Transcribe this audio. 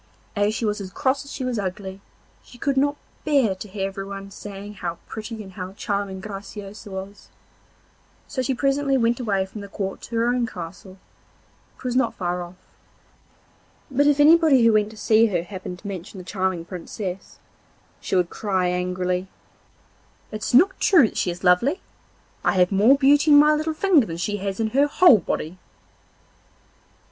As she was as cross as she was ugly, she could not bear to hear everyone saying how pretty and how charming Graciosa was; so she presently went away from the court to her own castle, which was not far off. But if anybody who went to see her happened to mention the charming Princess, she would cry angrily: 'It's not true that she is lovely. I have more beauty in my little finger than she has in her whole body.